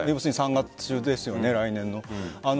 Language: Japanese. ３月中ですよね、来年の。